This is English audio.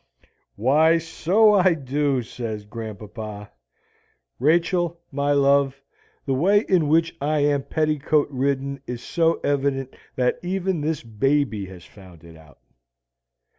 "Why, so I do," says grandpapa. "Rachel, my love, the way in which I am petticoat ridden is so evident that even this baby has found it out."